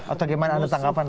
atau bagaimana tanggapan anda